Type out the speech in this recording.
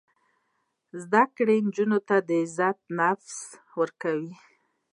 زده کړه نجونو ته د عزت نفس ورکوي.